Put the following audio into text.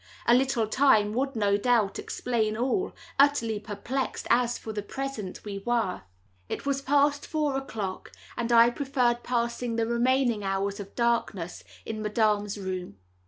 A little time would, no doubt, explain all—utterly perplexed as, for the present, we were. It was past four o'clock, and I preferred passing the remaining hours of darkness in Madame's room.